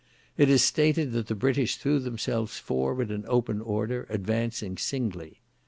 It is stated that the British threw themselves forward in open order, advancing singly.